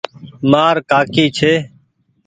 مآر ڪآڪي ڇي ۔